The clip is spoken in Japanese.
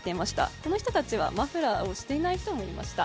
この人たちはマフラーをしていない人もいました。